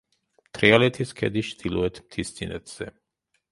თრიალეთის ქედის ჩრდილოეთ მთისწინეთზე.